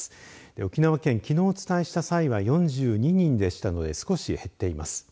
沖縄県、きのうお伝えした際には４２人でしたので少し減っています。